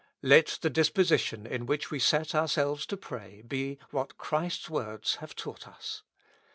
Let the disposition in which we set ourselves to pray be what Christ's words have taught us.